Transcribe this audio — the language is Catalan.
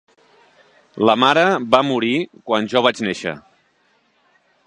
La mare va morir quan jo vaig néixer.